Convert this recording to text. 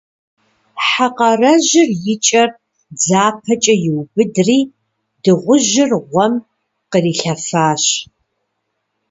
Хьэ къэрэжыр и кӏэр дзапэкӏэ иубыдри, дыгъужьыр гъуэм кърилъэфащ.